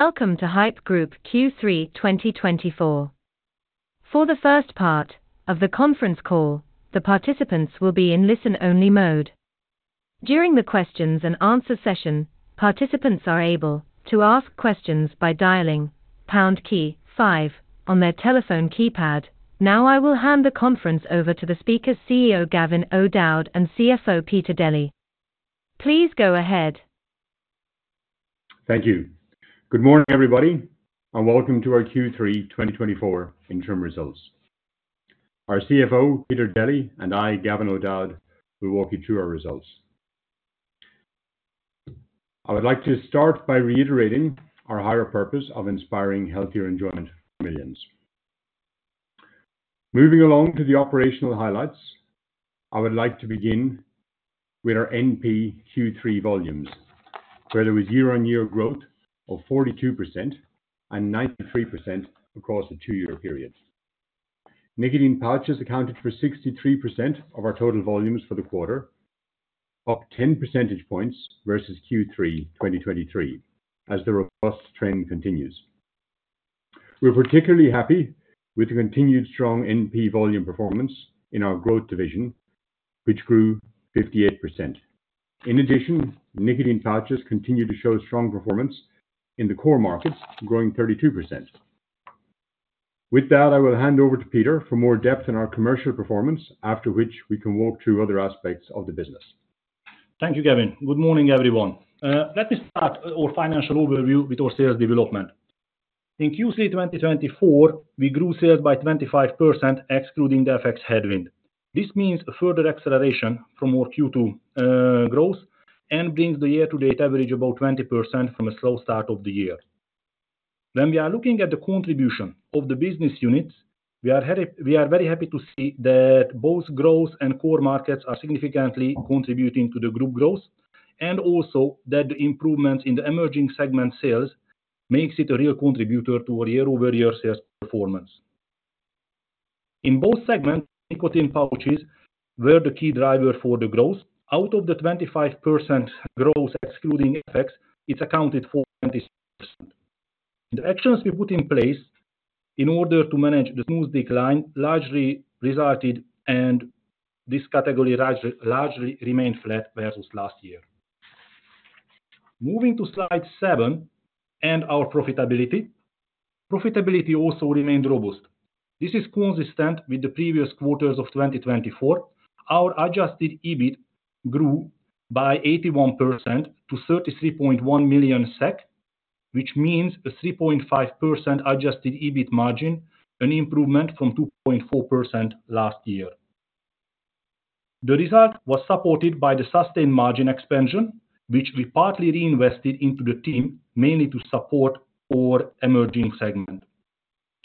Welcome to Haypp Group Q3 2024. For the first part of the conference call, the participants will be in listen-only mode. During the Q&A session, participants are able to ask questions by dialing #5 on their telephone keypad. Now I will hand the conference over to the speakers, CEO Gavin O'Dowd and CFO Peter Deli. Please go ahead. Thank you. Good morning, everybody, and welcome to our Q3 2024 interim results. Our CFO, Peter Deli, and I, Gavin O'Dowd, will walk you through our results. I would like to start by reiterating our higher purpose of inspiring healthier enjoyment for millions. Moving along to the operational highlights, I would like to begin with our NP Q3 volumes, where there was year-on-year growth of 42% and 93% across a two-year period. Nicotine pouches accounted for 63% of our total volumes for the quarter, up 10 percentage points versus Q3 2023, as the robust trend continues. We're particularly happy with the continued strong NP volume performance in our growth division, which grew 58%. In addition, nicotine pouches continue to show strong performance in the core markets, growing 32%. With that, I will hand over to Peter for more depth in our commercial performance, after which we can walk through other aspects of the business. Thank you, Gavin. Good morning, everyone. Let me start our financial overview with our sales development. In Q3 2024, we grew sales by 25%, excluding the FX headwind. This means a further acceleration from our Q2 growth and brings the year-to-date average about 20% from a slow start of the year. When we are looking at the contribution of the business units, we are very happy to see that both growth and core markets are significantly contributing to the group growth, and also that the improvements in the emerging segment sales make it a real contributor to our year-over-year sales performance. In both segments, nicotine pouches were the key driver for the growth. Out of the 25% growth, excluding FX, it accounted for 26%. The actions we put in place in order to manage the smooth decline largely resulted, and this category largely remained flat versus last year. Moving to slide seven and our profitability, profitability also remained robust. This is consistent with the previous quarters of 2024. Our adjusted EBIT grew by 81% to 33.1 million SEK, which means a 3.5% adjusted EBIT margin, an improvement from 2.4% last year. The result was supported by the sustained margin expansion, which we partly reinvested into the team, mainly to support our emerging segment.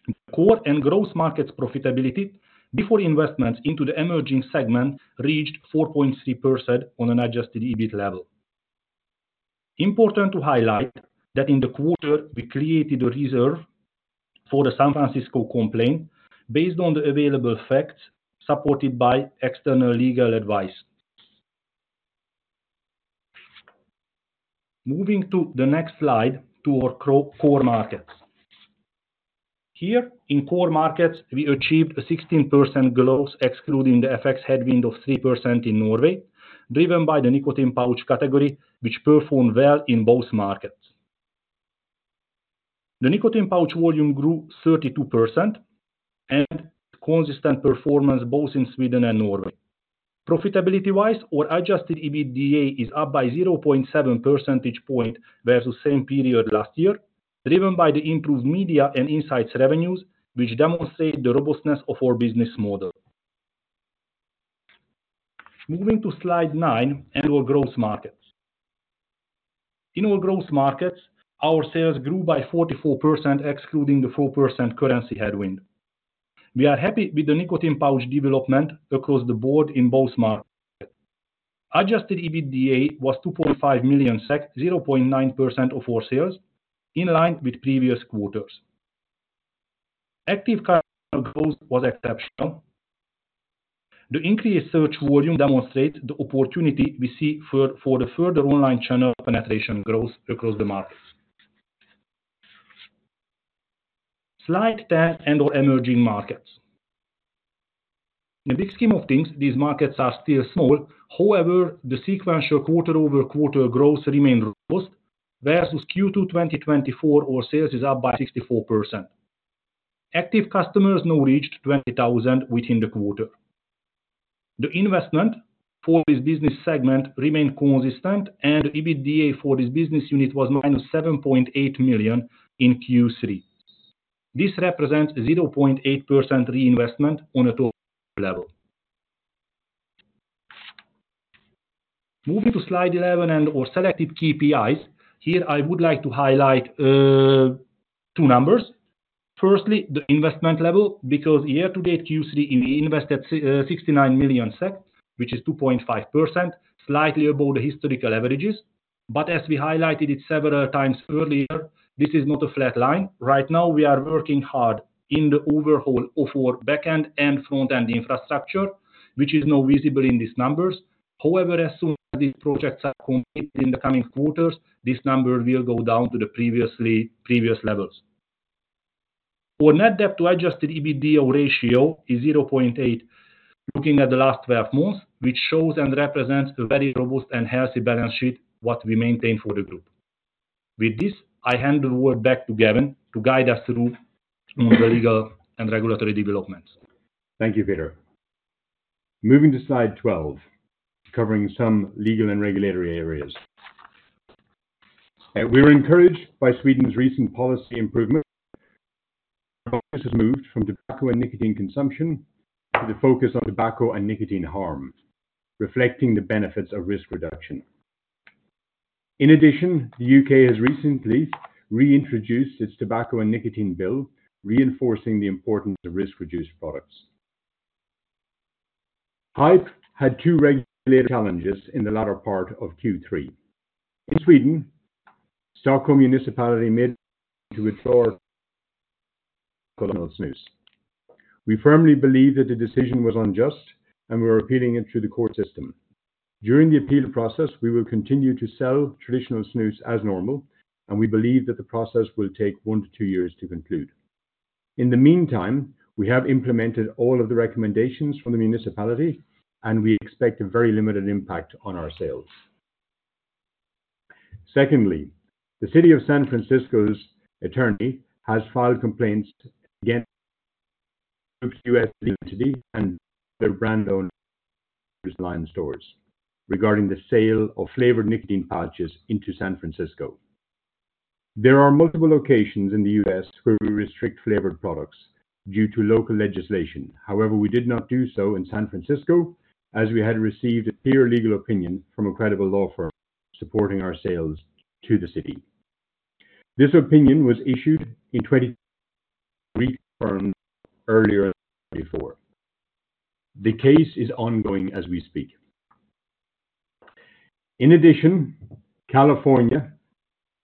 The core and growth markets' profitability before investments into the emerging segment reached 4.3% on an adjusted EBIT level. Important to highlight that in the quarter, we created a reserve for the San Francisco complaint based on the available facts supported by external legal advice. Moving to the next slide to our core markets. Here, in core markets, we achieved a 16% growth, excluding the FX headwind of 3% in Norway, driven by the nicotine pouch category, which performed well in both markets. The nicotine pouch volume grew 32%, and consistent performance both in Sweden and Norway. Profitability-wise, our adjusted EBITDA is up by 0.7 percentage points versus the same period last year, driven by the improved media and insights revenues, which demonstrate the robustness of our business model. Moving to slide 9 and our growth markets. In our growth markets, our sales grew by 44%, excluding the 4% currency headwind. We are happy with the nicotine pouch development across the board in both markets. Adjusted EBITDA was 2.5 million SEK, 0.9% of our sales, in line with previous quarters. Active channel growth was exceptional. The increased search volume demonstrates the opportunity we see for the further online channel penetration growth across the markets. Slide 10 and our emerging markets. In the big scheme of things, these markets are still small. However, the sequential quarter-over-quarter growth remained robust. Versus Q2 2024, our sales is up by 64%. Active customers now reached 20,000 within the quarter. The investment for this business segment remained consistent, and the EBITDA for this business unit was -7.8 million in Q3. This represents 0.8% reinvestment on a total level. Moving to slide 11 and our selected KPIs, here I would like to highlight two numbers. Firstly, the investment level, because year-to-date Q3, we invested 69 million SEK, which is 2.5%, slightly above the historical averages. But as we highlighted it several times earlier, this is not a flat line. Right now, we are working hard in the overhaul of our backend and frontend infrastructure, which is now visible in these numbers. However, as soon as these projects are completed in the coming quarters, this number will go down to the previous levels. Our net debt-to-adjusted EBITDA ratio is 0.8, looking at the last 12 months, which shows and represents a very robust and healthy balance sheet that we maintain for the group. With this, I hand the word back to Gavin to guide us through the legal and regulatory developments. Thank you, Peter. Moving to slide 12, covering some legal and regulatory areas. We're encouraged by Sweden's recent policy improvement. Focus has moved from tobacco and nicotine consumption to the focus on tobacco and nicotine harm, reflecting the benefits of risk reduction. In addition, the UK has recently reintroduced its tobacco and nicotine bill, reinforcing the importance of risk-reduced products. Haypp had two regulatory challenges in the latter part of Q3. In Sweden, Stockholm Municipality made a decision to withdraw our traditional snus. We firmly believe that the decision was unjust, and we are appealing it through the court system. During the appeal process, we will continue to sell traditional snus as normal, and we believe that the process will take one to two years to conclude. In the meantime, we have implemented all of the recommendations from the municipality, and we expect a very limited impact on our sales. Secondly, the City of San Francisco's attorney has filed complaints against U.S. legal entity and their brand-owned online stores regarding the sale of flavored nicotine pouches into San Francisco. There are multiple locations in the U.S. where we restrict flavored products due to local legislation. However, we did not do so in San Francisco, as we had received a clear legal opinion from a credible law firm supporting our sales to the city. This opinion was issued in 2023 by a firm earlier than before. The case is ongoing as we speak. In addition, California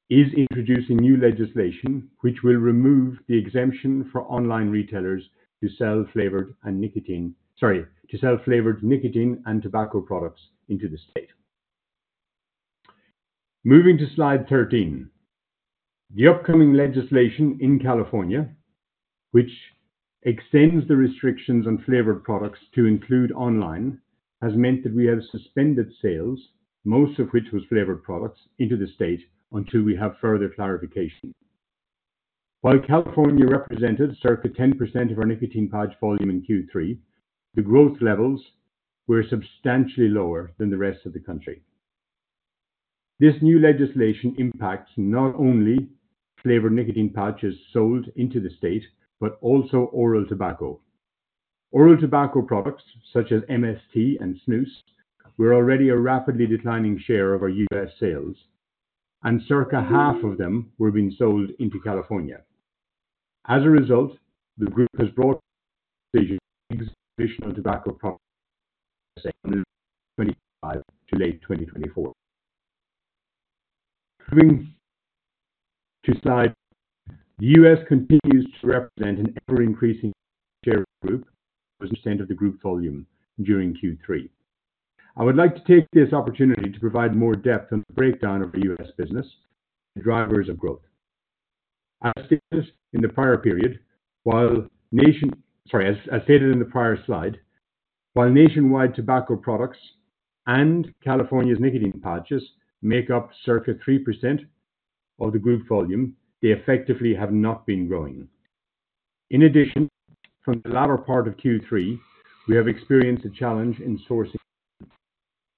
is introducing new legislation which will remove the exemption for online retailers to sell flavored nicotine and tobacco products into the state. Moving to slide 13, the upcoming legislation in California, which extends the restrictions on flavored products to include online, has meant that we have suspended sales, most of which was flavored products, into the state until we have further clarification. While California represented circa 10% of our nicotine pouch volume in Q3, the growth levels were substantially lower than the rest of the country. This new legislation impacts not only flavored nicotine pouches sold into the state, but also oral tobacco. Oral tobacco products such as MST and snus were already a rapidly declining share of our U.S. sales, and circa half of them were being sold into California. As a result, the group has brought the traditonal tobacco products in 2025 to late 2024. Moving to slide [number], the U.S. continues to represent an ever-increasing share of the group as a percent of the group volume during Q3. I would like to take this opportunity to provide more depth on the breakdown of U.S. business and drivers of growth. As stated in the prior slide, while nationwide tobacco products and California's nicotine pouches make up circa 3% of the group volume, they effectively have not been growing. In addition, from the latter part of Q3, we have experienced a challenge in sourcing.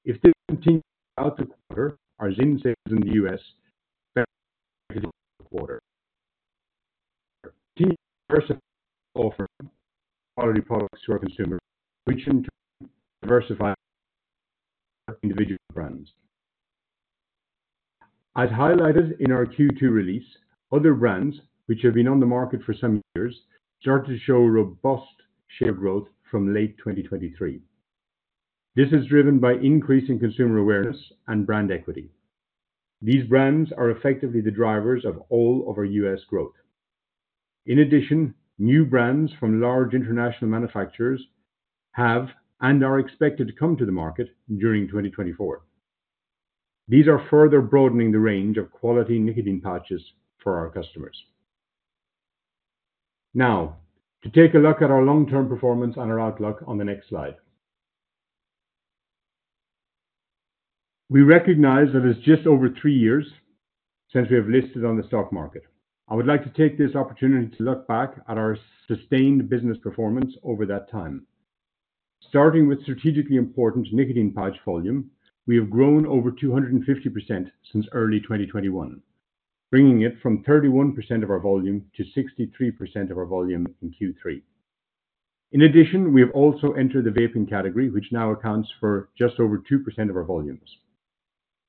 If this continues out the quarter, our ZYN sales in the U.S. are likely to drop the quarter. Continuing to diversify our offering of quality products to our consumers, which in turn diversifies our individual brands. As highlighted in our Q2 release, other brands, which have been on the market for some years, started to show robust share growth from late 2023. This is driven by increasing consumer awareness and brand equity. These brands are effectively the drivers of all of our U.S. growth. In addition, new brands from large international manufacturers have and are expected to come to the market during 2024. These are further broadening the range of quality nicotine pouches for our customers. Now, to take a look at our long-term performance and our outlook on the next slide. We recognize that it's just over three years since we have listed on the stock market. I would like to take this opportunity to look back at our sustained business performance over that time. Starting with strategically important nicotine pouch volume, we have grown over 250% since early 2021, bringing it from 31% of our volume to 63% of our volume in Q3. In addition, we have also entered the vaping category, which now accounts for just over 2% of our volumes.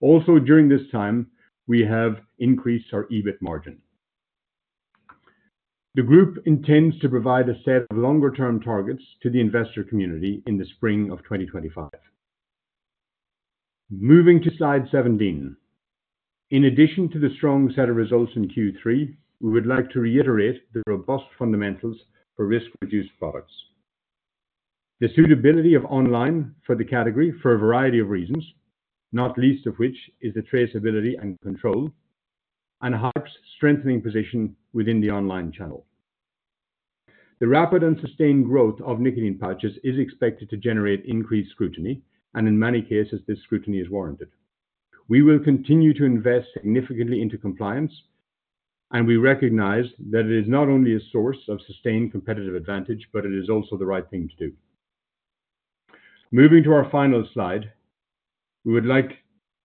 Also, during this time, we have increased our EBIT margin. The group intends to provide a set of longer-term targets to the investor community in the spring of 2025. Moving to slide 17, in addition to the strong set of results in Q3, we would like to reiterate the robust fundamentals for risk-reduced products. The suitability of online for the category for a variety of reasons, not least of which is the traceability and control, and Haypp's strengthening position within the online channel. The rapid and sustained growth of nicotine pouches is expected to generate increased scrutiny, and in many cases, this scrutiny is warranted. We will continue to invest significantly into compliance, and we recognize that it is not only a source of sustained competitive advantage, but it is also the right thing to do. Moving to our final slide, we would like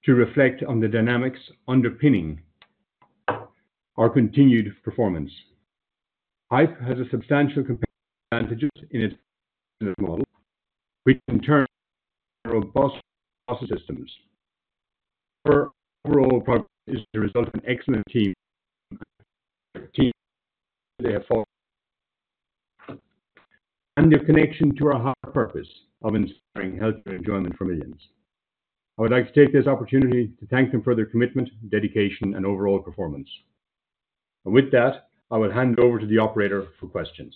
to reflect on the dynamics underpinning our continued performance. Haypp has a substantial competitive advantages in its business model, which in turn are robust processes and systems. Haypp's overall progress is the result of an excellent team and their commitment to our heartfelt purpose of inspiring healthier enjoyment for millions. I would like to take this opportunity to thank them for their commitment, dedication, and overall performance. With that, I will hand over to the operator for questions.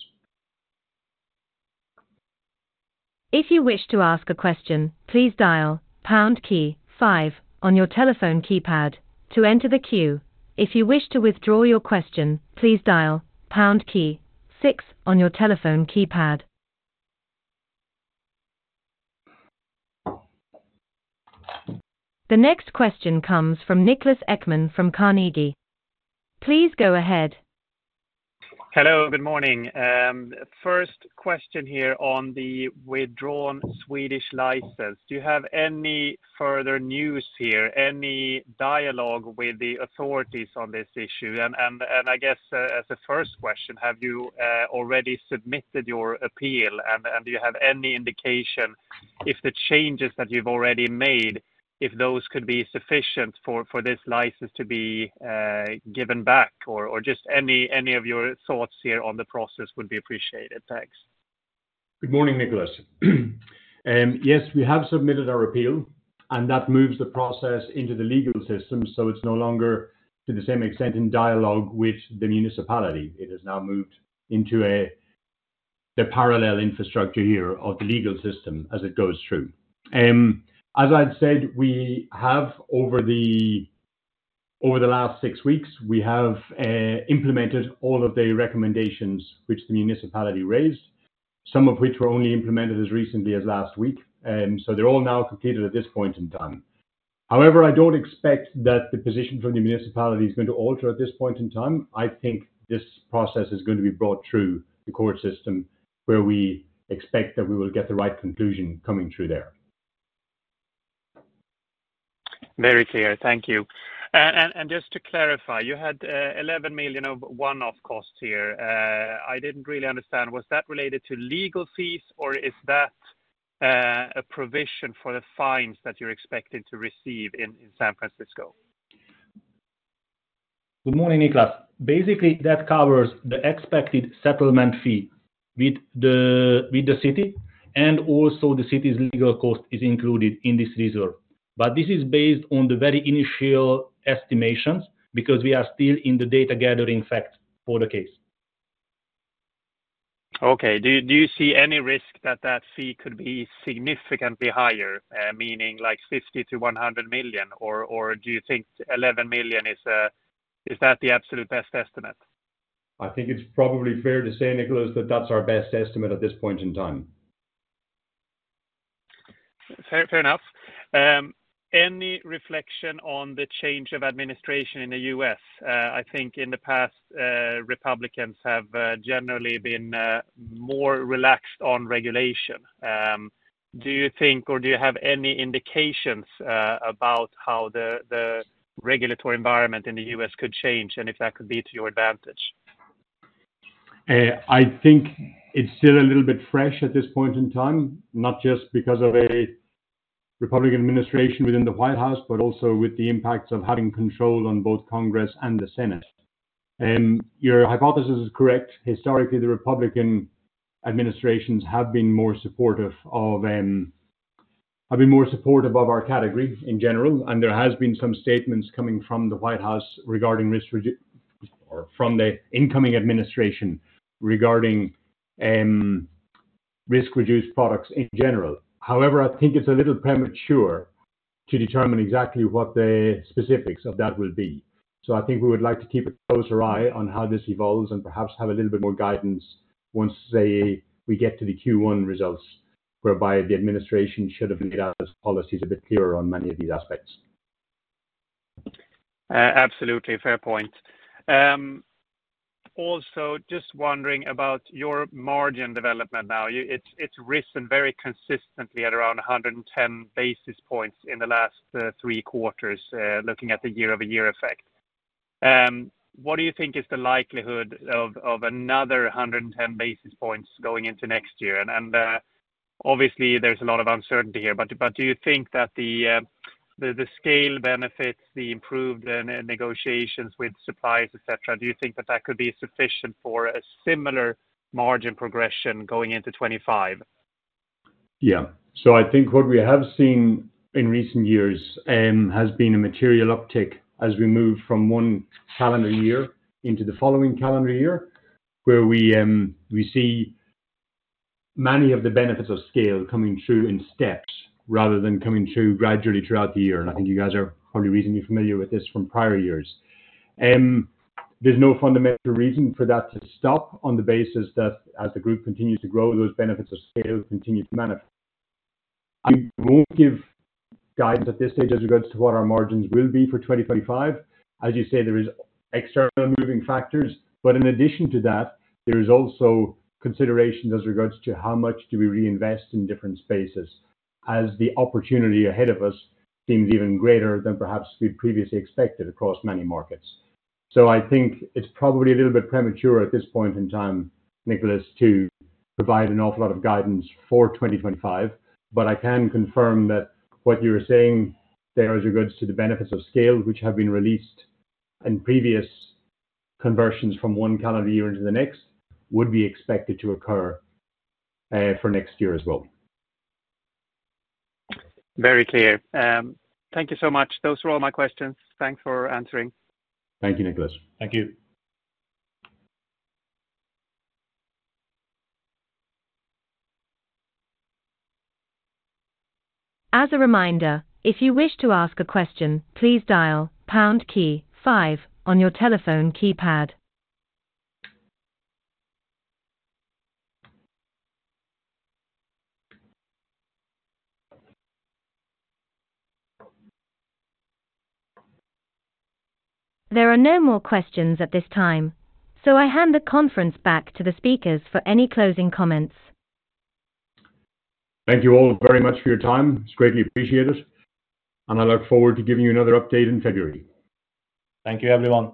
If you wish to ask a question, please dial pound key five on your telephone keypad to enter the queue. If you wish to withdraw your question, please dial pound key six on your telephone keypad. The next question comes from Niklas Ekman from Carnegie. Please go ahead. Hello, good morning. First question here on the withdrawn Swedish license. Do you have any further news here, any dialogue with the authorities on this issue? And I guess as a first question, have you already submitted your appeal, and do you have any indication if the changes that you've already made, if those could be sufficient for this license to be given back? Or just any of your thoughts here on the process would be appreciated. Thanks. Good morning, Niklas. Yes, we have submitted our appeal, and that moves the process into the legal system, so it's no longer to the same extent in dialogue with the municipality. It has now moved into the parallel infrastructure here of the legal system as it goes through. As I'd said, we have over the last six weeks, we have implemented all of the recommendations which the municipality raised, some of which were only implemented as recently as last week. So they're all now completed at this point in time. However, I don't expect that the position from the municipality is going to alter at this point in time. I think this process is going to be brought through the court system, where we expect that we will get the right conclusion coming through there. Very clear. Thank you, and just to clarify, you had 11 million of one-off costs here. I didn't really understand. Was that related to legal fees, or is that a provision for the fines that you're expected to receive in San Francisco? Good morning, Niklas. Basically, that covers the expected settlement fee with the city, and also the city's legal cost is included in this reserve. But this is based on the very initial estimations because we are still in the data gathering phase for the case. Okay. Do you see any risk that that fee could be significantly higher, meaning like 50 million-100 million, or do you think 11 million is that the absolute best estimate? I think it's probably fair to say, Niklas, that that's our best estimate at this point in time. Fair enough. Any reflection on the change of administration in the U.S.? I think in the past, Republicans have generally been more relaxed on regulation. Do you think, or do you have any indications about how the regulatory environment in the U.S. could change, and if that could be to your advantage? I think it's still a little bit fresh at this point in time, not just because of a Republican administration within the White House, but also with the impacts of having control on both Congress and the Senate. Your hypothesis is correct. Historically, the Republican administrations have been more supportive of our category in general, and there have been some statements coming from the White House regarding risk or from the incoming administration regarding risk-reduced products in general. However, I think it's a little premature to determine exactly what the specifics of that will be. So I think we would like to keep a closer eye on how this evolves and perhaps have a little bit more guidance once, say, we get to the Q1 results, whereby the administration should have laid out its policies a bit clearer on many of these aspects. Absolutely. Fair point. Also, just wondering about your margin development now. It's risen very consistently at around 110 basis points in the last three quarters, looking at the year-over-year effect. What do you think is the likelihood of another 110 basis points going into next year? And obviously, there's a lot of uncertainty here, but do you think that the scale benefits, the improved negotiations with suppliers, etc., do you think that that could be sufficient for a similar margin progression going into 2025? Yeah. So I think what we have seen in recent years has been a material uptick as we move from one calendar year into the following calendar year, where we see many of the benefits of scale coming through in steps rather than coming through gradually throughout the year. And I think you guys are probably reasonably familiar with this from prior years. There's no fundamental reason for that to stop on the basis that as the group continues to grow, those benefits of scale continue to manifest. I won't give guidance at this stage as regards to what our margins will be for 2025. As you say, there are external moving factors, but in addition to that, there are also considerations as regards to how much do we reinvest in different spaces as the opportunity ahead of us seems even greater than perhaps we previously expected across many markets. So I think it's probably a little bit premature at this point in time, Niklas, to provide an awful lot of guidance for 2025, but I can confirm that what you're saying there as regards to the benefits of scale, which have been released in previous conversions from one calendar year into the next, would be expected to occur for next year as well. Very clear. Thank you so much. Those were all my questions. Thanks for answering. Thank you, Niklas. Thank you. As a reminder, if you wish to ask a question, please dial pound key five on your telephone keypad. There are no more questions at this time, so I hand the conference back to the speakers for any closing comments. Thank you all very much for your time. It's greatly appreciated, and I look forward to giving you another update in February. Thank you, everyone.